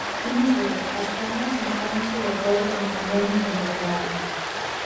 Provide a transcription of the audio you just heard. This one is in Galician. Imos ver, as cámaras instálanse de acordo cun convenio con Retegal.